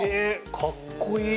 かっこいい。